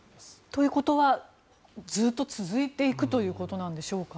ということはずっと続いていくということでしょうか？